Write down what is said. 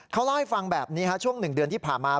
เขาเล่าให้ฟังแบบนี้ช่วง๑เดือนที่ผ่านมา